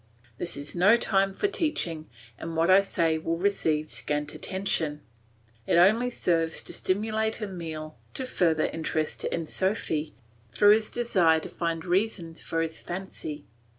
This is no time for teaching, and what I say will receive scant attention. It only serves to stimulate Emile to further interest in Sophy, through his desire to find reasons for his fancy.